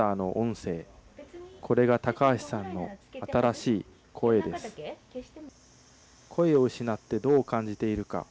声を失ってどう感じているか。